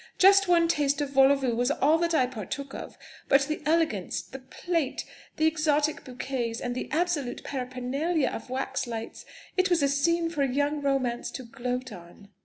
Just one taste of vol o voo was all that I partook of; but the elegance the plate, the exotic bouquets, and the absolute paraphernalia of wax lights! It was a scene for young Romance to gloat on!"